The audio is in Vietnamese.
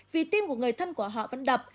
vì tim của người thân của họ vẫn đập